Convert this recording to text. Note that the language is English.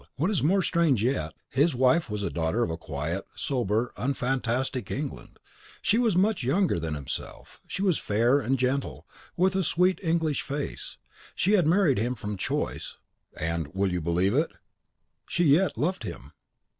What is more strange yet, his wife was a daughter of quiet, sober, unfantastic England: she was much younger than himself; she was fair and gentle, with a sweet English face; she had married him from choice, and (will you believe it?) she yet loved him.